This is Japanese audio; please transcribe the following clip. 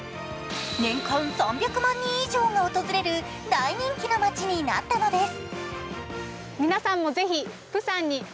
年間３００万人以上が訪れる大人気の街になったのです。